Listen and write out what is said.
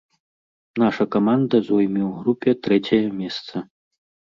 Наша каманда зойме ў групе трэцяе месца.